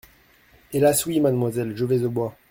Hélas, oui ! mademoiselle ! je vais au bois !